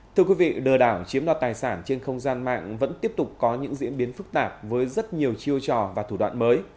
thưa quý vị lừa đảo chiếm đoạt tài sản trên không gian mạng vẫn tiếp tục có những diễn biến phức tạp với rất nhiều chiêu trò và thủ đoạn mới